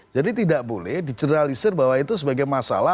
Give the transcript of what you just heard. jadi tidak boleh diceralisir bahwa itu sebagai masalah